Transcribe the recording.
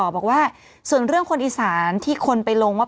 บอกว่าส่วนเรื่องคนอีสานที่คนไปลงว่า